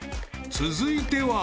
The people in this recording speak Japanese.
［続いては］